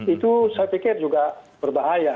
itu saya pikir juga berbahaya